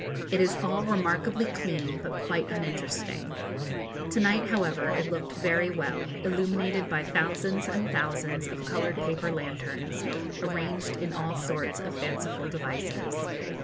It is all remarkably clean, but quite uninteresting. To night, however, it looked very well, illuminated by thousands and thousands of coloured paper lanterns, arranged in all sorts of fanciful devices.